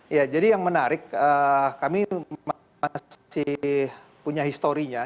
ya jadi yang menarik kami masih punya historinya